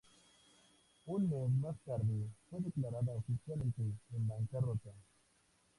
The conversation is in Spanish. Un mes más tarde fue declarada oficialmente en bancarrota.